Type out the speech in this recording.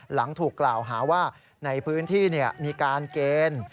หลังถูกกล่าวหาว่าในพื้นที่มีการเกณฑ์